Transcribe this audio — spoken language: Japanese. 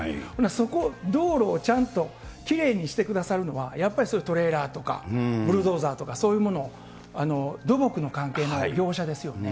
そこ、道路をちゃんときれいにしてくださるのは、やっぱりそれ、トレーラーとかブルドーザーとか、そういうもの、土木の関係の業者ですよね。